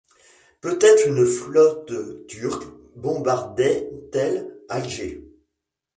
Peut-être une flotte turque bombardait-elle Alger ?